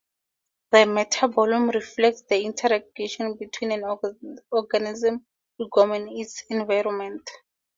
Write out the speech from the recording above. The metabolome reflects the interaction between an organism's genome and its environment.